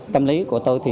tâm lý của tôi thì